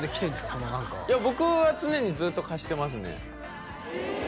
その何か僕は常にずっと貸してますねええ！